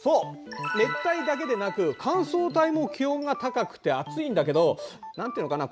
熱帯だけでなく乾燥帯も気温が高くて暑いんだけど何というのかな